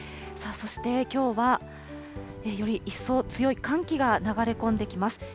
そして、きょうはより一層、強い寒気が流れ込んできます。